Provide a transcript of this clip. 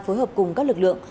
phối hợp cùng các lực lượng